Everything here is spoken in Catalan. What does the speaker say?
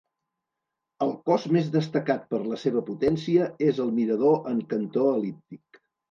El cos més destacat per la seva potència és el mirador en cantó el·líptic.